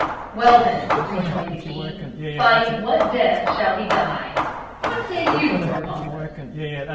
"Well, then," rejoined the king, "by what death shall he die? What say you, Lord Pompous?"